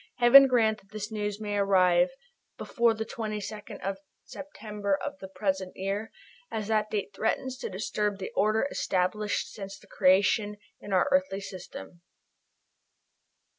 Heaven grant that this news may arrive before the 22d of September of the present year, as that date threatens to disturb the order established since the creation in our earthly system.